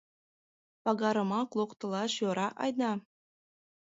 Пагарымак локтылаш йӧра айда.